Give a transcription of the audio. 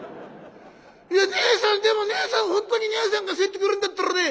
いやねえさんでもねえさん本当にねえさんがそう言ってくれんだったらね